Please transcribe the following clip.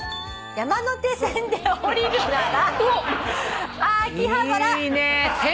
「山手線で降りるなら」